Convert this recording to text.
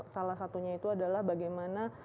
salah satunya itu adalah bagaimana